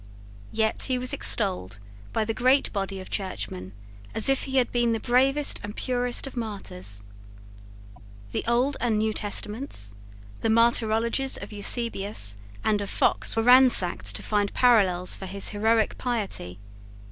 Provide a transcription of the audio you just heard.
Yet he was extolled by the great body of Churchmen as if he had been the bravest and purest of martyrs. The Old and New Testaments, the Martyrologies of Eusebius and of Fox, were ransacked to find parallels for his heroic piety.